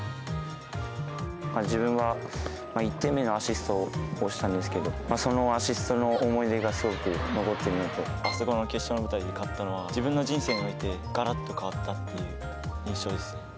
自分は１点目のアシストをしたんですけど、そのアシストの思あそこの決勝の舞台で勝ったのは、自分の人生において、がらっと変わったっていう印象です。